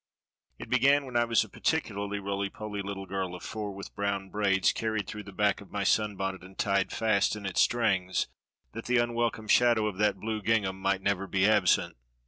It began when I was a particularly roly poly little girl of four, with brown braids carried through the back of my sunbonnet and tied fast in its strings, that the unwelcome shadow of that blue gingham might never be absent.